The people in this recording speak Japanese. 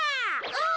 お！